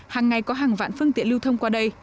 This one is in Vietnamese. hàng ngày có hàng vạn phương tiện lưu thông qua đây